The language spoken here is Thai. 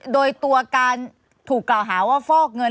โดยตัวการถูกกล่าวหาว่าฟอกเงิน